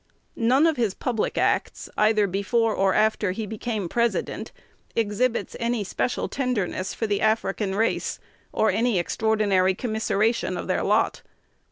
None of his public acts, either before or after he became President, exhibits any special tenderness for the African race, or any extraordinary commiseration of their lot.